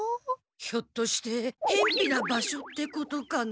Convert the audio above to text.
ひょっとして辺ぴな場所ってことかな？